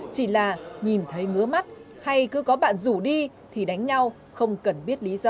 chỉ là nhìn thấy ngứa mắt hay cứ có bạn rủ đi thì đánh nhau không cần biết lý do